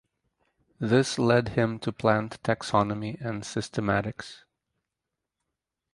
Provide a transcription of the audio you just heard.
This led him to plant taxonomy and systematics.